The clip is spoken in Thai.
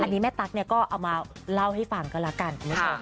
เราก็เล่าให้ฟังประการ